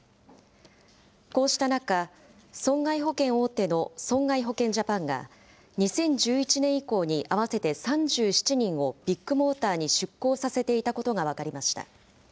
こうした中、損害保険大手の損害保険ジャパンが２０１１年以降に合わせて３７人を、ビッグモーターに出向させていたことが分かりました。